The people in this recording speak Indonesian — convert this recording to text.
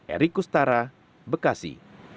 erik kustara bekasi